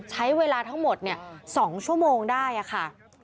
ใช้เวลาทั้งหมด๒ชั่วโมงได้ค่ะ